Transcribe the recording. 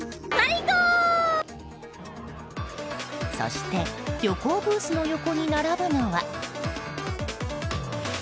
そして旅行ブースの横に並ぶのは。